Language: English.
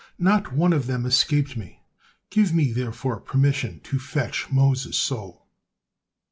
Not one of them escaped me, give me therefore permission to fetch Moses' soul."